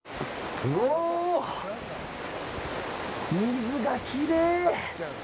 水がきれい！